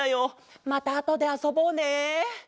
またあとであそぼうね。